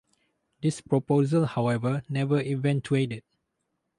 This proposal however, never eventuated.